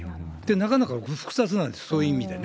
なかなか複雑なんです、そういう意味でね。